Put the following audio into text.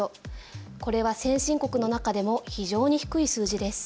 これは先進国の中でも非常に低い数字です。